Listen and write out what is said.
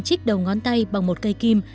chích đầu ngón tay bằng một cây kim